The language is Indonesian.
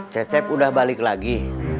cecep udah balik lagi